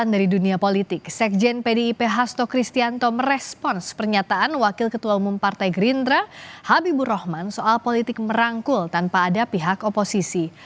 dari dunia politik sekjen pdip hasto kristianto merespons pernyataan wakil ketua umum partai gerindra habibur rahman soal politik merangkul tanpa ada pihak oposisi